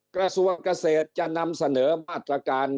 กระทรวงเกษตรจะนำเสนอมาตรการ